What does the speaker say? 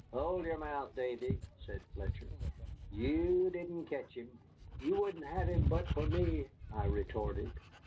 "Hold your mouth, Davy," said Fletcher, "you didn't ketch him." "You wouldn't have had him but for me," I retorted.